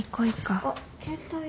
あっ携帯。